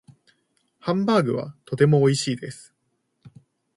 ハンバーグはとても美味しいです。